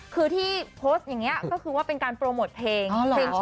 คือที่โพสต์อย่างนี้เป็นการโปรโมทเพลง